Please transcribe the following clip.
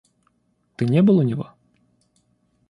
Ты не был у него?